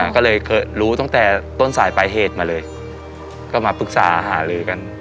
ก็เลยรู้ตั้งแต่ต้นสายปลายเหตุมาเลยก็มาปรึกษาหาลือกัน